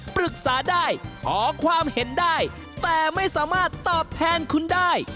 ปรึกษาได้ขอความเห็นได้แต่ไม่สามารถตอบแทนคุณได้